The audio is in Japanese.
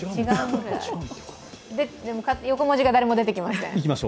横文字が誰も出てきません。